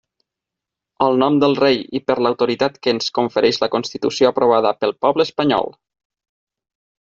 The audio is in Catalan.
En nom del rei i per l'autoritat que ens confereix la Constitució aprovada pel poble espanyol.